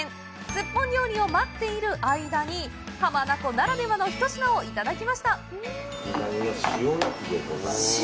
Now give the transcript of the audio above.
すっぽん料理を待っている間に、浜名湖ならではの一品をいただきました。